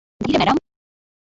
ধীরে, ম্যাডাম।